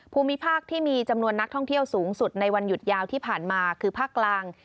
ภูมิภาคที่มีจำนวนนักท่องเที่ยวสูงสุดในวันหยุดยาวที่ผ่านมาคือภาคกลาง